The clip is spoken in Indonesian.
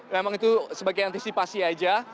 memang itu sebagai antisipasi aja